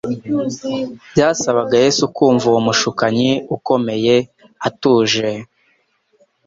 Byasabaga Yesu kumva uwo mushukanyi ukomeye atuje.